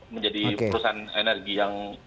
menjadi perusahaan energi yang